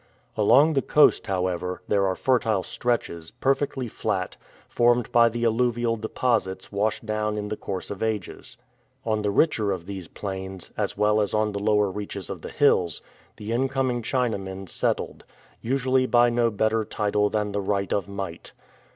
Along the coast, however, there are fertile stretches, perfectly flat, formed by the alluvial deposits washed down in the course of ages. On the richer of these plains, as well as on the lower reaches of the hills, the incoming Chinamen settled, usually by no better title than the right of might.